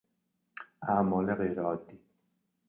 اعمال غیرعادی